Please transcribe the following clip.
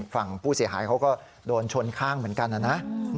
ฝั่งผู้เสียหายเขาก็โดนชนข้างเหมือนกันนะนะ